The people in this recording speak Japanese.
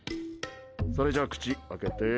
それじゃ、口開けて。